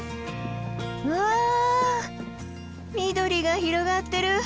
わあ緑が広がってる！